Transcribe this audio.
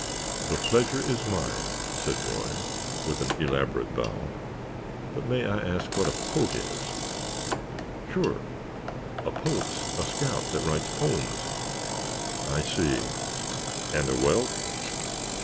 "The pleasure is mine," said Roy, with an elaborate bow. "But may I ask what a pote is?" "Sure, a pote's a scout that writes pomes." "I see. And a welk?"